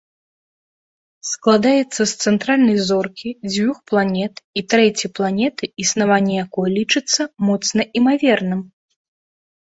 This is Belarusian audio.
Складаецца з цэнтральнай зоркі, дзвюх планет, і трэцяй планеты, існаванне якой лічыцца моцна імаверным.